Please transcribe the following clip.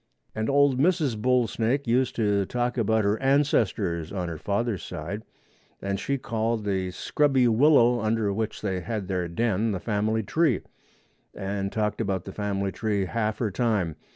And old Mrs. Bull snake used to talk about her ancestors on her father's side, and she called the scrubby willow under which they had their den the family tree, and talked about the family tree half her time.